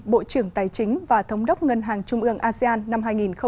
bộ trưởng tài chính và thống đốc ngân hàng trung ương asean năm hai nghìn hai mươi